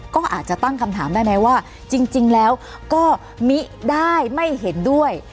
ก็อาจจะตั้งคำถามได้ไหมว่าจริงแล้วก็มิได้ไม่เห็นด้วย